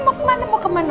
mau kemana mau kemana